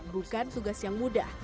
bukan tugas yang mudah